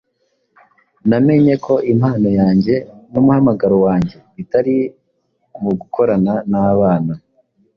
namenye ko impano yanjye n’umuhamagaro wanjye bitari mu gukorana n’abana.